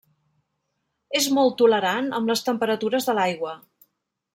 És molt tolerant amb les temperatures de l'aigua.